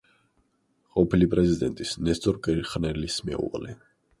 ყოფილი პრეზიდენტის ნესტორ კირხნერის მეუღლე.